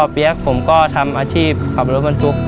พ่อเปี๊ยกผมก็ทำอาชีพขับรถมันทุกข์